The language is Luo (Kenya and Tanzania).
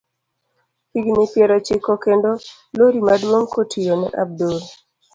Higni piero ochiko kendo lori maduong kotiyo ne Abdul.